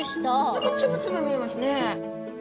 何かつぶつぶ見えますね。